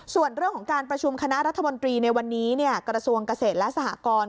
ส่วนเรื่องของการประชุมคณะรัฐมนตรีในวันนี้กระทรวงเกษตรและสหกร